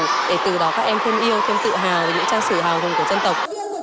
để từ đó các em thêm yêu thêm tự hào về những trang sử hào hùng của dân tộc